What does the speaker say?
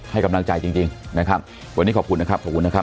ให้กำลังใจจริงจริงนะครับวันนี้ขอบคุณนะครับขอบคุณนะครับ